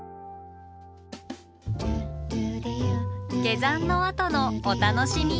下山のあとのお楽しみ。